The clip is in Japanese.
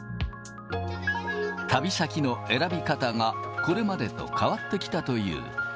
旅先の選び方が、これまでと変わってきたという。